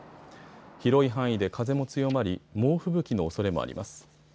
広い範囲で風も強まり猛吹雪のおそれもあります。